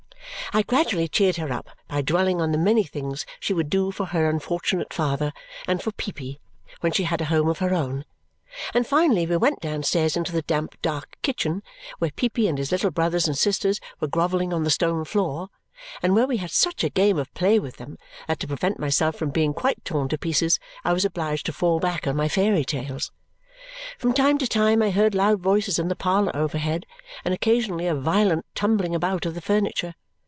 I gradually cheered her up by dwelling on the many things she would do for her unfortunate father and for Peepy when she had a home of her own; and finally we went downstairs into the damp dark kitchen, where Peepy and his little brothers and sisters were grovelling on the stone floor and where we had such a game of play with them that to prevent myself from being quite torn to pieces I was obliged to fall back on my fairy tales. From time to time I heard loud voices in the parlour overhead, and occasionally a violent tumbling about of the furniture.